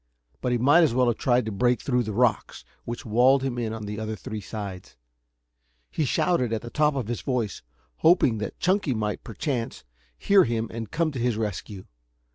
But he might as well have tried to break through the rocks which walled him in on the other three sides. He shouted at the top of his voice, hoping that Chunky might, perchance, hear him and come to his rescue.